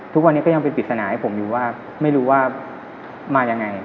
ทุกวันนี้ก็ยังเป็นปริศนาให้ผมอยู่ว่าไม่รู้ว่ามายังไง